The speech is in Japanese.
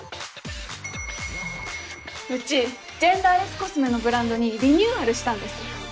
うちジェンダーレスコスメのブランドにリニューアルしたんです。